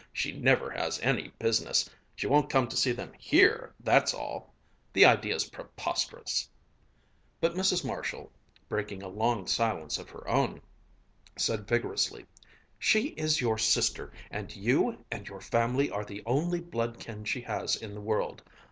She never has any business. She won't come to see them here, that's all. The idea's preposterous." But Mrs. Marshall, breaking a long silence of her own, said vigorously: "She is your sister, and you and your family are the only blood kin she has in the world.